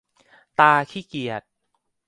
ตาขี้เกียจ !